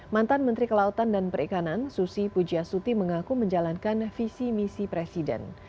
mantan menteri kelautan dan perikanan susi pujiasuti mengaku menjalankan visi misi presiden